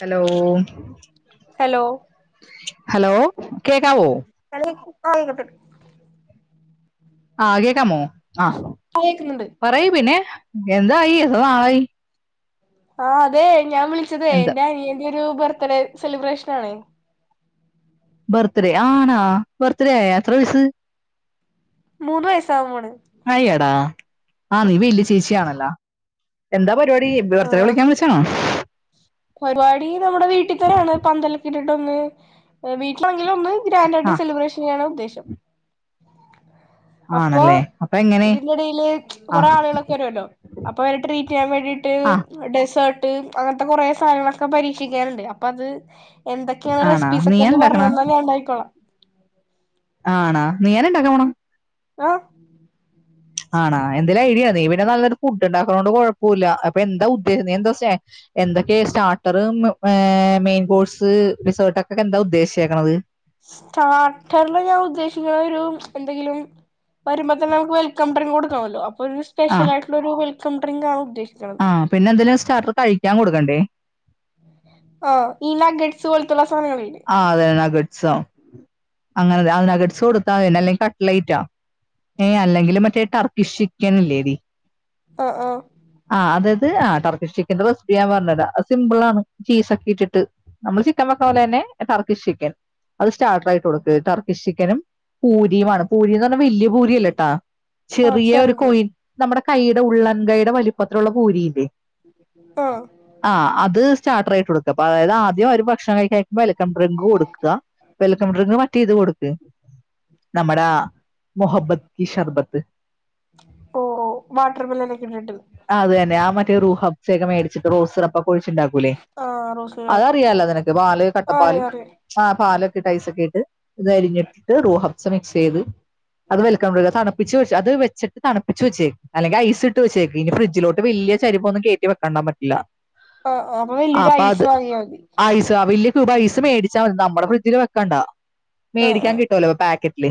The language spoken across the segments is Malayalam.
ഹലോ ഹലോ ഹലോ കേക്കാവൂ ആഹ് കേക്കു ആ കേക്കാമോ ആഹ് ആ കേക്കുന്നുണ്ട് പറയൂ പിന്നെ കന്ത ആ സവാളായി ആഹ് അതെ ഞാൻ വിളിച്ചത് ഏ എന്ത് എന്റെ ന അനിയൻ്റെ ഒരു ബർത്ത്ഡേ സെലിബ്രേഷൻ ആണേ ബർത്ത്ഡേ ആണാ ബർത്ത്ഡേ ആയ എത്ര വയസ്സ് മൂന്ന് വയസാവ്പോണ് ആയെടാ ആഹ് നീ വലിയ ചേച്ചി ആണല്ലോ എന്താ [unintelligible] പരിപാടി വിവർത്തനം വിളിക്കാൻ വിളിച്ചോ പരുപാടി നമ്മുടെ വീട്ടിൽ തന്നെയാണ് പന്തലൊക്കെ ഇട്ടിട്ട് ഒന്ന് വീട്ടില [unintelligible] ഒന്ന് ഗ്രാൻഡ് ആയിട്ട് ആഹ് സെലിബ്രേഷൻ ചെയ്യാനാ ഉദ്ദേശ അപ്പോ ആണല്ലേ അപ്പൊ എങ്ങനെ ഇതിന്റെ ഇടയില് കൊറേ ആഹ് ആളുകളൊക്കെ കേറി വരും അപ്പൊ [unintelligible] ട്രീറ്റ് ചെയ്യാൻ വേണ്ടിട്ട് ആഹ് ഡെസേർട്ട് [unintelligible] അങ്ങൻത്തെ കൊറേ സാനങ്ങളൊക്കെ പരീക്ഷിക്കാറുണ്ട് അപ്പൊ അത് എന്തൊക്കെയാണ് ആണാ റെസിപ്പീസ് ഒക്കെ നീയാ ഒന്ന് ഇണ്ടാക്കണെ പറഞ്ഞന്ന ഞാൻ ഉണ്ടാക്കിക്കോളാം ആണാ നീയന്നെണ്ടാക്ക [unintelligible] ആഹ് ആണാ എന്തേലും ഐഡിയ നീ പിന്നെ നല്ലൊരു ഫുഡ്ഡ് ഉണ്ടാക്ക്ണോണ്ട് കൊഴപ്പോല്ല അപ്പൊ എന്താ ഉദ്ദേശം നീയെന്താ എന്തൊക്കെ സ്റ്റാട്ടറ്ഏ മെയിൻ കോഴ്സ് റിസേട്ട് ഒക്കെക്കെ എന്താ ഉദ്ദേശിച്ചേക്കണത് സ്റ്റാർട്ടറില് ഞാൻ ഉദ്ദേശിക്കണ ഒരു എന്തെങ്കിലും വരുമ്പത്തന്നെ നമുക്ക് വെൽക്കം ഡ്രിങ്ക് കൊട് [unintelligible] ഒരു സ്പെഷ്യൽ ആയിട്ടൊരു [unintelligible] സെൻടറിന്റെ ആ ഉദ്ദേശ- ആ പിന്നെന്തെലും സ്റ്റാർട്ടർ കഴിക്കാൻ കൊടു കണ്ടെ ആ ഈ നഗട്സ്പോല്ത്തുള്ള സാ ആ അതെ ണാക്കട്ട് [unintelligible] [unintelligible] അങ്ങനെ ആ നഗട്സ് കൊടുത്താന്നെ അല്ലെങ്കിൽ കട്ലേറ്റോ ഏ അല്ലെങ്കില് മറ്റേ ടർക്കിഷ് ചിക്കൻ ഇല്ലേടി ആ ആ [unintelligible] ആ ടർക്കിഷ് ചിക്കന്റെ റെസിപ്പി ഞാൻ പറഞ്ഞരാംഅത് സിംമ്പിൾ ആണ് ചീസ് ഒക്കെ ഇട്ടിട്ട് നമ്മൾ ചിക്കൻ വെക്കണ പോലെ തന്നെ ടർക്കിഷ് ചിക്കൻ അത് സ്റ്റാർട്ടർ ആയിട്ട് കൊടുക്ക് ടർക്കിഷ് ചിക്കനും പൂരിയുമാണ് പൂരിന്ന് പറഞ്ഞാൽ വല്യ പൂ ഭൂരിയല്ലട്ടാ ആഹ് ചെറിയ ഒരു ചെറുത് കോയിൻ നമ്മടെ കൈയുടെ ഉള്ളൻകൈയുടെ വലിപ്പത്തിലുള്ള ഭൂരിയില്ലേ ആഹ് ആ അത് സ്റ്റാട്ടറയി [unintelligible] ആദ്യം അവര് ഭക്ഷണം കഴിക്കാനിരിക്കുമ്പോൾ വെൽക്കം ഡ്രിങ്ക് കൊടുക്ക വെൽക്കം ഡ്രിങ്ക് മറ്റേ ഇത് കൊടുക്ക നമ്മടാ മൂഹബ്ബത് കി ശർബത്ത് ഓ ഓ വാട്ടർ മില്ലനൊക്കെ ഇട്ടിട് തെ റൂഹബ് [unintelligible] ഒക്കെ മേടിച്ചിട്ട് റോസ് സിറപ്പൊക്കെ ഒഴിച്ച് ഉണ്ടാക്കൂലേ ആഹ് റോസ് അത് മിൽക്ക് അറിയാലോ നിനക്ക് പാല് ആഹ് കട്ടപ്പാല് അറിയാം അറിയാം ആ പാലിട്ടിട്ട് ഐസ് ഒക്കെ ഇട്ട് ഇത് അരിഞ്ഞിട്ടിട്ട് റൂഹബ്സ് മിക്സ് ചെയ്ത് അത് വെൽക്കം ട്രി തണുപ്പിച്ചിട്ട് അത് വെച്ചി് തണുപ്പച്ച് വച്ചേക്ക് അല്ലെങ്കിൽ ഐസ് ഇട്ട് വെച്ചേക്കക്ക് ഇനി ഫ്രി്ജിലട്ട് വലിയ ചരിവൊ ഒന്നും കേറ്റിവെക്കണ്ടൻ പറ്റില്ല ആഹ അപ്പൊ വലിയ ഐസ് വാങ്ങിയാ മതി ഐസ്മേടിച്ചാൽ മതി നമ്മുടെ ഫ്രിഡ്ജില് വെക്കാണ്ടാ ആഹ് മേടിക്കാൻ ആഹ് കിട്ടുവല്ലോ പാക്കറ്റ്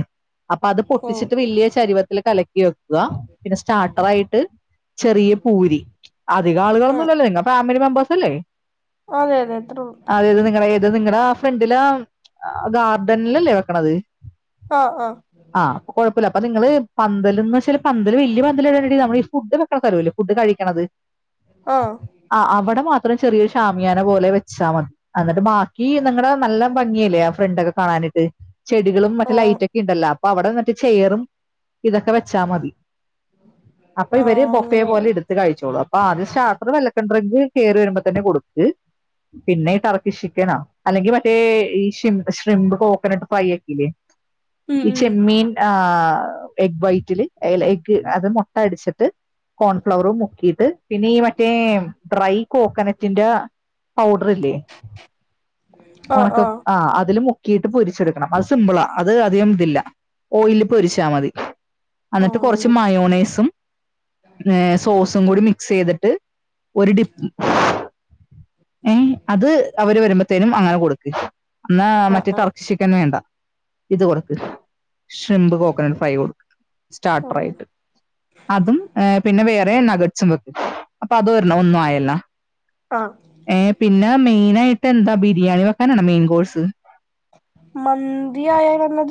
[unintelligible] അ അത് ഓ പൊട്ടിച്ചിട്ട് വലിയ ചരിവ കലക്കി വയ്ക്കുക പിന്നെ സ്റ്റാർട്ടർ ആായിട്ട് ചെറിയ പൂരി അധിക ആളുകളൊന്നും ആഹ് ഇല്ലല്ലോനിങ്ങ ഫാമിലി ഫാമിലി മെമ്പേഴ്സ് അല്ലേ അതെ അതെ അത്രയേ ഉള്ളൂ ഇത് നിങ്ങളടെ ആ ഫ്രണ്ടിലെ ഗാർഡനിലല്ലേ വെക്കണത് ആ ആ ആ അപ്പൊകൊഴപ്പല്ല അപ്പനിങ്ങള് പന്തല്ന്ന്ച്ചാല് പന്തല് വല്യ പന്തലിടണ്ടടീ നമ്മളീഫുഡ് വെക്കണസ്ഥലുല്യേ ഫുഡ്കഴിക്കണത് ആഹ് ആ അവിടെ മാത്ര അത്രയും ചെറിയൊരു ഷാമിയാനെ പോലെ വെച്ചാമതി എന്നിട്ട് ബാക്കി നിങ്ങടെ നല്ല ഭംഗിയല്ലേ ആ ഫ്രണ്ടൊക്കെ കാണാനിട്ട് ചെടികളും മറ്റേ ആഹ് ലൈറ്റൊക്കേണ്ടല്ലോ അപ്പൊ അവിടെന്നിട്ട് ചെയറുംതൊക്കേ വെച്ചാ മതി അപ്പൊ ഇവര് ആഹ് ബൊഫയെ അങ്ങനെ പോലെടുത്ത് കഴിച്ചോളൂ ആ അദ്യം സ്റ്റാർട്ടർ വലക്കണ്ട്രിങ്ക് കേറിവരുമ്പത്തന്നെ കൊടുക്ക് പിന്നെ ടറക്കി ശിക്കനോ അല്ലെങ്കി മറ്റേ ഈ ഷ്രിംപ് ഷ്രിംപ്കോക്കനട്ട് ഫ്രൈയൊക്കേല്ലേ ഉം ഈ ഉം ചെമ്മീൻ ആ എഗ് വൈറ്റില് ഐലേക്ക് അത് മുട്ട അടിച്ചിട്ട് കോൺഫ്ലവറും മുക്കിട്ട് പിന്നെ ഈ മറ്റേ ഡ്രൈ കോക്കനറ്റിന്റെ പൗടറില്ലേ ആഹ് ഒണക്ക ആഹ് ആ അതില് മു കീട്ട് പൊരിച്ചെടുക്കണം അത് സിമ്പിളാ അത് അധികം ഓയില്ല് പൊരിച്ചാമതി ന്നട്ട് കുറച്ച് ആഹ് മയോണേയ്സും ഏ സോസുംകൂടി മ മിക്സെയ്തിട്ട് ഒരു ടിപ്പ് [unintelligible] ഏ അത് അവര് വരുമ്പോത്തേനും അങ്ങനെ കൊടുക്ക് ന്നാ മറ്റേ ആഹ് തർക്കിചിക്കൻവേണ്ട ഇത് കൊട് ഷ്രിംമ്പ് കോക്കനട്ട് ഫ്രൈ കൊടു സ്റ്റാർട്ടറായിട്ട് അതും പിന്നെ വേറെ വേ നക ചു വെക്ക് അപ്പൊ അത് ഒര്ണം ഒന്നു ആയല്ലോ ആഹ് ഏ പിന്നെ മെയ്നായി എന്താ ബിരിയാണി വെക്കാനാണോ മെയിൻ കോഴ്സ് മന്തി ആയാലോന്നാ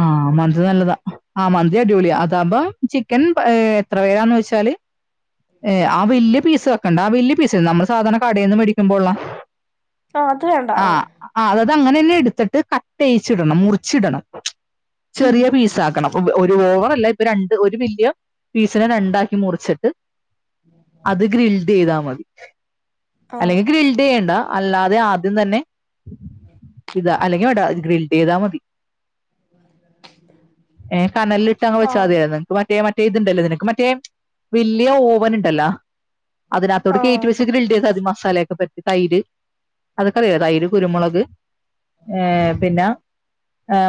ആ മന്തി നല്ലതാ ആ മന്തി അടിപൊളിയാ അതാമ്പം ചിക്കൻ ഏ എത്ര പേരാന്നവെച്ചാല് ഏ ആ വല്യ പീസ് വെക്കണ്ട ആ വല്യ പീസ് നമ്മള് സാധാരണ കടേന്ന് മേടിക്കുമ്പോള്ള ആ അത് വേണ്ട ആ അത് അങ്ങനെന്നെടുത്തിട്ട് കട്ടെയ്യ്ച്ചിടണം മുറി ച്ചിടണം ചെറിയ പീസാക്കണം ഒര് ഓവറല്ല ഇപ്പൊ രണ്ട് ഒരു വല്യ പീസിനെ രണ്ടാക്കി മുറിച്ചിട്ട് അത് ഗ്രിൽഡെയ്താ മതി ആഹ് അല്ലെങ്കി ഗ്രിൽഡെയ്യണ്ട അല്ലാതെ ആദ്യം തന്നെ അല്ലെങ്കിൽ വേണ്ട ഗ്രിൽഡെയ്‌തി മതി ഏ കനലിലിട്ട് അങ്ങ് വെച്ചാ ആഹ് മതിയന്ന് ഇപ്പ മറ്റ ഏ മറ്റേ ഇത്ണ്ടല്ലോ നിനക്ക് മറ്റേ വല്യ ഓവന് ണ്ടല്ലാ അതിനാത്തോട്ട് കേറ്റി ആഹ് വച്ച് ഗ്രിൽഡെയ്താ മതി മ മസാലക്കെ പെർറ്റി തൈര് അതക്കറിയാലോ തൈര് കുരുമുളക് ഏ പിന്നെ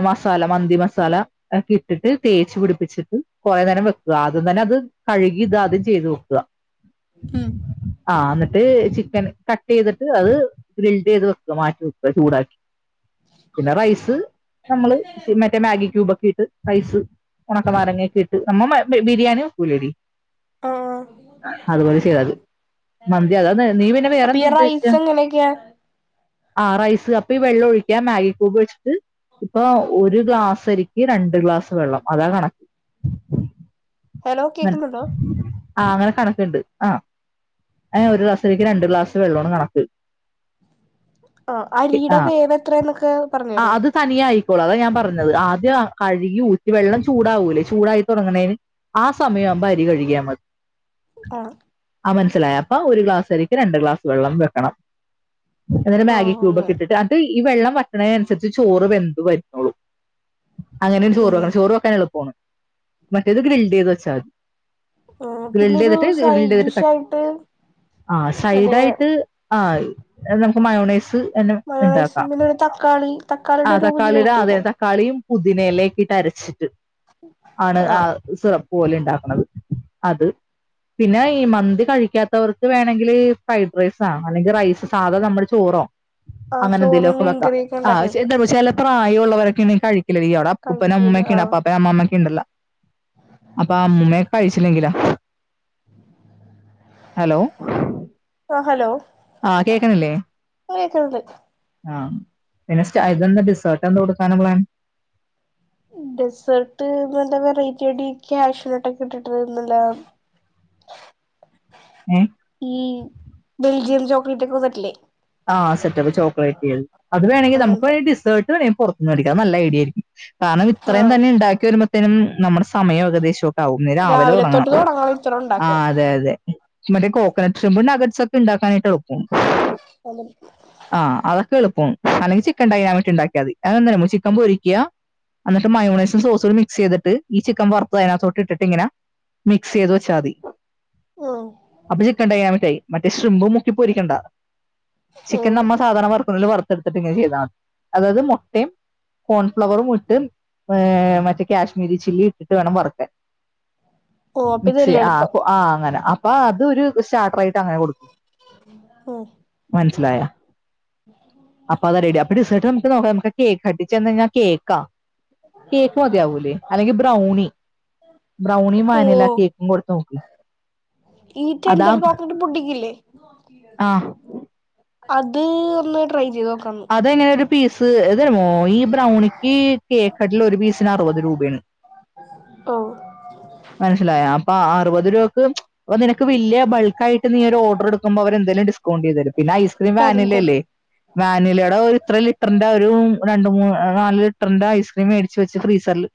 മസാല മന്തി മസാല ഒക്കെ ഇട്ടിട്ട് തേച്ച് പിടിപ്പിച്ചിട്ട് കുറെ നേരം വെക്ക്വ ആദ്യം തന്നെ അത് കഴുകി ഇതാദ്യം ചെയ്ത് വെക്കുക ഉം ട്ട് ചിക്കൻ കട്ട് ചെയ്തിട്ട് അത് ഗ്രിൽസെയ്ത് വെക്കാ മാറ്റി വെക്ക്വ ചൂടാക്കി പിന്നെ റൈസ് നമ്മള് ഇ മറ്റേ മാഗി ഈ ക്യൂബൊക്കെട്ട് റൈസ് ഉണക്കാനാരങ്ങൊക്കെ ഇട്ട് നമ്മ എപ്പഴും ബിരിയാണി വെക്കൂലടി ആ മന്തി അതാ നീ പിന്നെ വേറെ എന്താ അപ്പയീ ഉദ്ദേശിച്ച റൈസ് എങ്ങനെക്കെയാ ആ റൈസ് അപ്പ ഈ വെള്ളം ഒഴിക്കാ മാഗി ക്യൂബ് വെച്ചിട്ട് ഇപ്പൊ ഒരു ഗ്ലാസരിക്ക് രണ്ട് ഗ്ലാസ് വെള്ളം അതാ കണ ഹലോ കേക്കുന്നുണ്ടോ [unintelligible] ആ അങ്ങനെ കണക്ക്ണ്ട് ആ ഒരു ക്ലാസരിക്ക് രണ്ട് ഗ്ലാസ് വെള്ളോണ് കണക്ക് ആ അരിയുടെ ആ വേവെത്ര ന്നൊക്കെ പർഞ്ഞെരോ ഇപ്പോൾ അതാ ഞാൻ പറഞ്ഞത് ആദ്യം കഴുകി ഊറ്റി വെള്ളം ചൂടാവൂല്ലേ ചൂടായി തൊടങ്ങ്ന്നേന് ആ സമയം ആവുമ്പ അരി കഴുകിയാ മതി ആ ആ മനസ്സിലായ അപ്പ ഒരു ഗ്ലാസ് അരിക്ക് രണ്ട് ഗ്ലാസ് വെള്ളം വെക്കണം ഇന്ന്ട്ട് മാഗി ആഹ് അങ്ങനെ ക്യൂബൊക്കെ ഇട്ടിട്ട് അത് ഈ ഈ വെള്ളം വറ്റ്ണെനൻസരിച്ച് ചോറ് വെന്ത് വര്ന്നോളും അങ്ങനെ ഉം ചോറൊള്ളു ചോറു വെക്കാൻ എളുപ്പാണ് മറ്റേത് ഗ്രിൽ തിയത് വെച്ചാതി ഉം പിന്നൊരു ഗ്രിൽഡ്യ്തിട്ട് സൈഡ് ഗ്രിൽഡ് ഇങ്ങട്ട് ഡിഷ് കട്ട് ആയിട്ട് ആ സൈഡ് മറ്റേ ആയിട്ട് ആ നമുക്ക് മയോണേസ് മയോണൈസും പിന്ന ഒരു തക്കാളി തക്കാളിയുടെ ഒരു [inaudible] ഇല്ലേ പുതിനേയിലയൊക്കിട്ടരച്ച് ആണ് ആ ആഹ് സിറം. പോലെ ഉണ്ടാക്ക്ണത്. അത് പിന്നെ ഈ മന്തി കഴിക്കാത്തവർക്ക് വേണങ്കില് ഫ്രൈഡ് റൈസാ അല്ലെങ്കിൽ റൈസ് സാധാ നമ്മളെ ചോറോ ആഹ് അങ്ങനെ എന്തേലും ചോറും ഒക്കെ വെക്കാം. മീൻകറിയൊക്കെ ആ ഉണ്ടാക്കി വെക്കാം എന്താ ചെ പ്രായൊള്ളവരൊക്കേണെ കഴി ക്കില്ലടി. അവിട അപ്പുപ്പനും കഴിക്കൂല അമ്മുമ്മക്കെണ്ട് ആഹ് അപ്പാപ്പനും അമ്മാമ്മക്കെ ഇണ്ടല്ലോ. അപ്പ അമ്മൂമ്മേക്കെ കഴിച്ചില്ലെങ്കിലാ. ഹലോ ആ ഹലോ ആ കേക്കണില്ലേ? കേക്കുന്നുണ്ട് ആഹ പിന്നെ സ്റ്റ ഇതെന്താ ഡിസേർട്ട് എന്താ കൊടുക്കാനാ പ്ലാൻ? ഡെസേർട്ട് നല്ല വെറൈറ്റി ആ ടീ. ക്യാഷൂനട്ടൊക്കെ ഇട്ടിട്ട് നല്ല ഏ ഈ ബെൽജിയം ചോക്ലേറ്റ് ഒക്കെ [unintelligible] ആ സെ ചെല ചോക്ലേറ്റേള്. അത് വേണെങ്കിൽ നമുക്ക് അങ്ങനത്തെ വേണെങ്കി ഡിസേർട്ട് വേണേ പുറത്തുന്ന് വേടിക്കാ. അത് നല്ല ഐഡിയ ആയിരിക്കും. കാരണം ഇത്രയും ആഹ് തന്നെ ഇണ്ടാക്കി വരുമ്പ ത്തിനും നമ്മുടെ സമയം ഏകദേശൊ [unintelligible] ഇന്ന് രാവിലെ തുടങ്ങണം. തൊട്ട് ഇത്ര ആ ഉണ്ടാക്കാൻ അതെ അതെ. മറ്റേ കോക്കനട്ട് ഷെബും നഗറ്റ്സ്സൊക്കെ ഉണ്ടാക്കാനായിട്ട് എളുപ്പാണ്. ഉം ആ അതൊക്കെ എളുപ്പാണ് അല്ലെങ്കിൽ ചിക്കൻ ഡൈനാമിട്ട് ഇണ്ടാക്കിയാതി അത് എന്താന്നറിയാമോ ചിക്കൻ പൊരിക്ക അന്നിട്ട് മയോണയ്‌സും സോസൂടി മിക്സ് ചെയ്തിട്ട് ഈ ചിക്കൻ വറുത്ത് അതിനകത്തോട്ട് ഇട്ടിട്ട് ഇങ്ങന മിക്സ് ചെയ്ത് വെച്ചാതി അപ്പ ചിക്കൻ ഡൈനാമിക്ക് ആയി മറ്റേ ശൃംമ്പ് മുക്കിപ്പൊരിക്കണ്ട ചിക്കൻ ഉം നമ്മ സാധാരണ വറക്കണ പോലെ വറുത് ടുത്തിട്ട് ഇങ്ങനെ ചെയ്താ മതി അതായത് മുട്ടേം കോൺഫ്ലവറും ഇട്ട് ഏ മറ്റേ കാശ്മീരി ചില്ലി ഇട്ട് വേണം വറക്കാൻ ഓ അപ്പൊ മിക്സി ഇതല്ലേ ആ എളുപ്പം ആ അങ്ങനെ ആ അത് ഒരു സ്റ്റാർട്ടർ ആയിട്ട് അങ്ങനെ കൊടുക്കും ഓ മനസ്സിലായ അപ്പാതാ റെഡി അപ്പഴ് ഡിസേർട്ട് നോക്ക നമുക്ക് കേക്ക് കട്ടിച്ച് തന്ന് കഴിഞ്ഞാ കേക്കാ കേക്ക് മതിയാവൂല്ലേ. അല്ലെങ്കി ബ്ര ബ്രൗണി ബ്രൗണിയും ഓ വാനില കേക്കും കൊടുത്തു നോക്ക് ഈ അതാ ടെൻഡർ കോക്കനട്ട് പുഡ്ഡിങ്ങില്ലേ ആ അത് ഒന്ന് ട്രൈ ചെയ്തോ അതന്നെ ഒരു പീസ് ഏ [unintelligible] ഈ ബ്രൗണിക്ക് കേക്ക് ഹട്ടിൽ ഒരു പീസിന് അറുപത് രൂപയാണ് ഓ മനസിലായ അപ്പ അ അറുപതു രൂപയ്ക്ക് അപ്പൊ നിനക്ക് വല്യ ബൾക്കായിയിട്ട് നീ ഒരു ഓർഡറെടുക്കുമ്പോ അവരെന്തായലും ഡിസ്കൗണ്ട് ചെയ്തു കൊടുക്കും പിന്നെ ഐസ്ക്രീം തരും വാനില തരും ഇല്ലേ വാനിലയുടെ ഒരു ഇത്ര ലിറ്ററിന്റെ ഒരു രണ്ട് മൂന്ന് നാല് ലിറ്ററിന്റെ ഐസ്ക്രീം മേടിച്ച് വെച്ച് ഫ്രീസറില്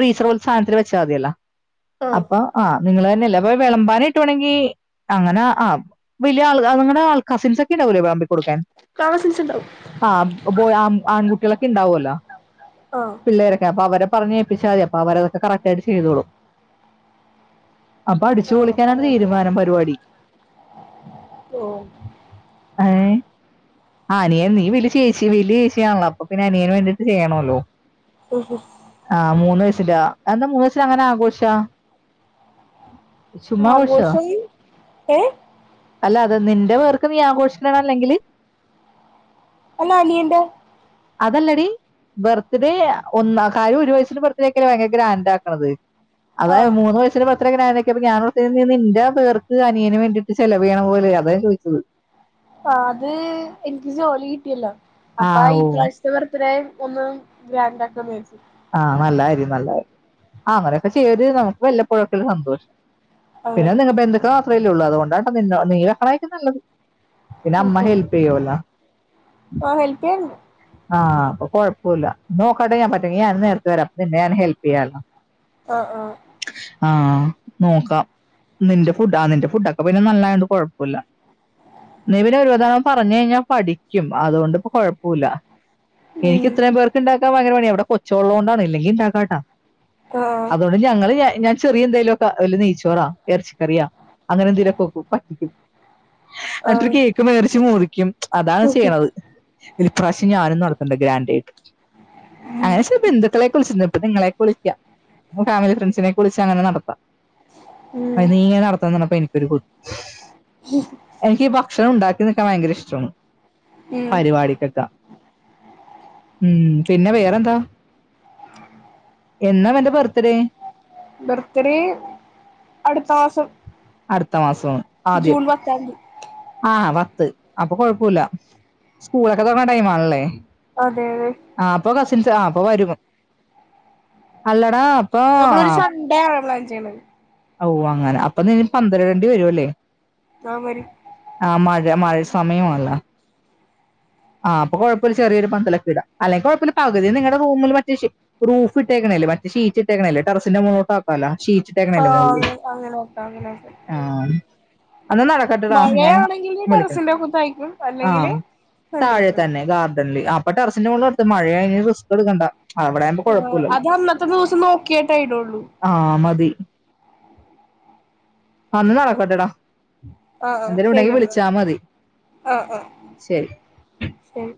ഫ്രീസർ പോലത്തെ സാനത്തില് [unintelligible] ആഹ് അപ്പൊ ആഹ് നിങ്ങള് തന്നെയല്ലേ ഇപ്പൊ വിളമ്പാനായിട്ടു വേണെങ്കി അങ്ങനെ ആ വലിയ ആൾ നിങ്ങടെ ആ കസിൻസ് ഒക്കെ ഉണ്ടാവൂലേ വിളമ്പിക്കൊടുക്കാൻ നാളെ സെൻസ് ഉണ്ടാവും ആഹ് ഇത് ആൺ അൺകുട്ടിയ ഇണ്ടാവൂല്ലോ ആഹ് പിള്ളേരൊക്കെ അപ്പ അവരെ പറഞ്ഞ് ഏപ്പിച്ചാ മതി അപ്പൊ അവരെതൊക്കെ കറക്റ്റ് ആയിട്ട് ചെയ്തോളും അപ്പൊ അടിച്ചു ആഹ് അപ്പൊ പൊളിക്കാനാണ് അങ്ങനെ ചെയ്യാം തീരുമാനം പരിപാടി ഓ ഏഹ് ആ അനിയൻ നീ വലിയ ചേച്ചി വലിയ ചേച്ചി ആണല്ലോ അപ്പൊ പിന്നെ അനിയന് വേണ്ടീട്ട് ചെയ്യണോല്ലോ ആ മൂന്ന് വയ സില എന്താ മൂന്ന്സിൽ അങ്ങനെ ആഘോഷാ ആഘോഷം ഏ അല്ല അത് നിന്റെ പേർക്ക് നീ ആഘോഷിക്കണണോ അല്ലെങ്കില് അല്ല അനിയന്റെ അതല്ലടി ബർത്ത്ഡേ ഒന്ന് കാര്യം ഒരു വയസിന്റെ ബർത്ത്ഡേ ആക്കല്ലേ ഭയങ്കര ഗ്രാൻഡ് ആക്കണത് അതായത് ആഹ് മൂന്ന് വയസ്സിന് [unintelligible] ഇത്ര ഗ്രാന്റ് ഒക്കെ അപ്പോ ഞാൻ [unintelligible] നിന്റെ പേർക്ക് അനിയനന് വേണ്ടിട്ട് ചെലവ് ചെയ്യണ പോലെ അതാ ചോദിച്ചത് ആ അത് എനിക്ക് ജോലി കിട്ടിയല്ലോ ആ അപ്പ ഈ ഓ പ്രാവശ്യത്തെ ബർത്ത്ഡേ പഇപ്പൊ ഒന്ന് ഗ്രാൻഡ് ആക്കാന്ന് കരുതി ആ നല്ല കാര്യം നല്ല കാര്യം ആ അങ്ങനെയൊക്കെ ചെയ്യല് നമുക്ക് വല്ലപ്പോഴൊക്കെള്ള സന്തോഷം അതെ പിന്നെന്തിന് എന്തൊക്കാ അത്രേ ഉള്ളൂ അതുകൊണ്ടാട്ട നിന്നേ [unintelligible] നല്ലത് പിന്ന അമ്മ ഹെൽപ്പ് ചെയ്യോല്ലാ ആ ഹെല്പ് ചെയ്യും ആഹ് അപ്പൊ കുഴപ്പം ഇല്ല നോക്കട്ടെ ഞാൻ പറ്റുമെങ്കി ഞാനും നേരത്തെ വരാം നിന്നെ ഞാൻ ഹെൽപ് ചെയ്യാലൊ ആഹ് ആഹ് ആഹ് നോക്കാം നിന്റെ ഫുഡ് ആ നിന്റെ ഫുഡൊക്കെ പിന്നെ നല്ലായോണ്ട് കുഴപ്പമില്ല നീ പിന്നെ ഒരുതവണ പറഞ്ഞു കഴിഞ്ഞാൽ പഠിക്കും അതുകൊണ്ടിപ്പോ കു പോവൂല എനിക്ക് ഉം ഇത്രയും പേർക്കുണ്ടാക്കാൻ ഭയങ്കര പണിയാ അവിടെ കൊച്ചുള്ളൊണ്ട് ആണ് ഇല്ലെങ്കിൽ ഉണ്ടാക്കാട്ടോ ആഹ് അതുകൊണ്ട് ഞങ്ങള് ഞാൻ ചെറിയ എന്തേലും ഒക്കെ വല്ല നെയ്ച്ചോറാ ഇറച്ചിക്കറിയാ അങ്ങനെ എന്തേലൊക്കെോക്കും വയ്ക്കും എന്നിട്ട് ആഹ് കേക്ക് മേടിച്ച് മുറിക്കും അതാണ് ചെയ്യണത് ഈ പ്രാവശ്യം ഞാനും നടത്തുന്നുണ്ട് ഗ്രാൻഡ് ആയിട്ട് [inaudible] [unintelligible] വിളിക്കാം ഫാമിലി ഫ്രണ്ട്സിനെ വിളിച്ച് അങ്ങനെ നടത്താം ഉം [unintelligible] [unintelligible] എനിക്ക് ഭക്ഷണം ഉണ്ടാക്ക എനിക്ക് അതു ഭയങ്കര ഇഷ്ടം ആണ് ഉം പരിപാടിക്കൊ ഉം പിന്നെ വേറെന്താ എന്നാ നിന്റെ ബർത്ത്ഡേ ബർത്ത്ഡേ അടുത്ത മാസം അടുത്ത മാസം ആദ്യം ജൂൺ പത്താം തീയതി ആഹ് അപ്പൊ കൊഴപ്പമില്ല സ്കൂളൊക്കെ തുടങ്ങണ ടൈം ആണല്ലേ അതെ അതെ ആ അപ്പ വരു അല്ലടാ അപ്പൊ നമ്മളൊരു ആ, സൺഡേ ആണോള്ള [unintelligible] ഓ അങ്ങനെ അപ്പൊ നി പന്ത്രണ്ണ്ട്ടി വരുവല്ലേ ആഹ് വരും മഴ സമയം ആണ്ല്ലോ ആഹ് അപ്പൊ കൊഴപോല്ല ഒരു ചെറിയൊരു പന്തലൊക്കെ ഇടാം അല്ലെങ്ക്കൊഴപ്പമില്ല നിങ്ങളുടെ റൂമിൽ മറ്റേ റൂഫ്ട്ടേക്കണല്ലേ മറ്റേ ഷീറ്റ് ഇട്ടേക്കണേ ടെറസിന്റെ മുകളിലോട്ട് ആക്കാല്ലോ ആ അങ്ങനെക്കെ അങ്ങനെ ആ എന്നാ നടക്കട്ടെടാ ഞാൻ മഴയാണെങ്കില് വിളിക്കണം ടെറസിന്റെ പുറത്താരിക്കും ആ അല്ലെങ്കില് താഴെ ഫ്രണ്ടിലിരിക്കുന്നെ തന്നെ ഗാർഡൻ അപ്പം ടെറസ്ന്റെ മോളിൽ ടത്ത് മഴയാണെ റിസ്ക് എടുക്കണ്ട അവിടെ ആകുമ്പോ ആഹ് കുഴപ്പമില്ലല്ലോ അത് അന്നത്തെ ദിസം നോക്കിയട്ടെടുള്ളു ആ മതി അന്നേനടക്കട്ടെടാ ആഹ് ആഹ് എന്തേലും ഉണ്ടെങ്കി ശരിയെന്നാ വിളിച്ചാമതി ആഹ് ആഹ് ശരി ശരി